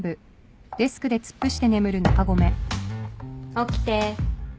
起きて。